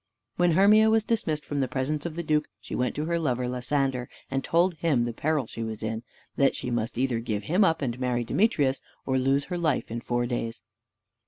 When Hermia was dismissed from the presence of the duke, she went to her lover Lysander, and told him the peril she was in, and that she must either give him up and marry Demetrius, or lose her life in four days.